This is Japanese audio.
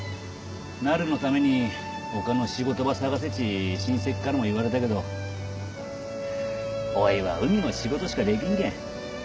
なるのためにおかの仕事ば探せち親戚からも言われたけどおぃは海の仕事しかできんけん。